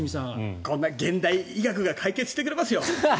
現代医学が解決してくれますよ。